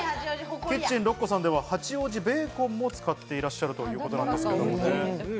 キッチンロッコさんでは八王子ベーコンも使っていらっしゃるということです。